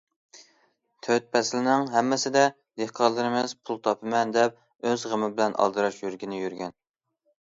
تۆت پەسىلنىڭ ھەممىسىدە دېھقانلىرىمىز پۇل تاپىمەن دەپ، ئۆز غېمى بىلەن ئالدىراش يۈرگىنى يۈرگەن.